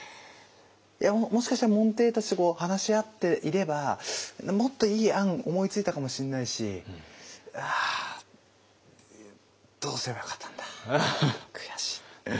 いやもしかしたら門弟たちと話し合っていればもっといい案思いついたかもしんないしあどうすればよかったんだ悔しい。